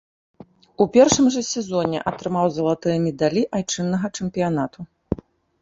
У першым жа сезоне атрымаў залатыя медалі айчыннага чэмпіянату.